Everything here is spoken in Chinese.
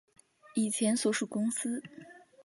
以前所属公司